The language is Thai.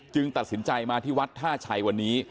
ตัดสินใจมาที่วัดท่าชัยวันนี้